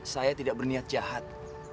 saya tidak berniat jahat